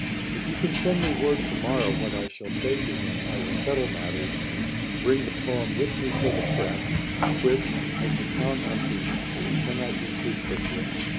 If you can send me word to morrow what I shall say to him, I will settle matters, and bring the poem with me for the press, which, as the town empties, we cannot be too quick with.